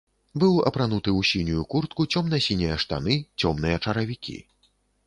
Быў апрануты ў сінюю куртку, цёмна-сінія штаны, цёмныя чаравікі.